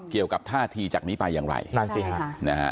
เกี่ยวกับท่าทีจากนี้ไปอย่างไรนั่นสิฮะนะฮะ